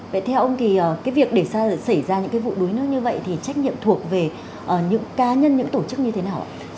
vậy theo ông thì cái việc để xảy ra những cái vụ đuối nước như vậy thì trách nhiệm thuộc về những cá nhân những tổ chức như thế nào ạ